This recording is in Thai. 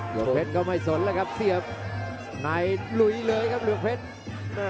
เพชรก็ไม่สนแล้วครับเสียบในลุยเลยครับเหลืองเพชร